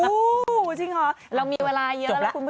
จริงเหรอเรามีเวลาเยอะแล้วคุณผู้ชม